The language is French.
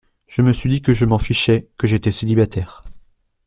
Je me suis dit que je m’en fichais, que j’étais célibataire.